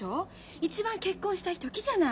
一番結婚したい時じゃない！